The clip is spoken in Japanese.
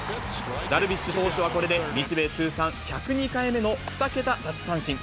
ダルビッシュ投手はこれで、日米通算１０２回目の２桁奪三振。